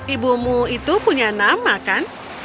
ibumu itu punya nama kan